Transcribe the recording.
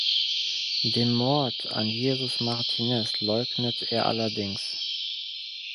Den Mord an Jesus Martinez leugnet er allerdings.